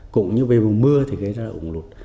cũng như về mùa mưa thì rất là ủng lụt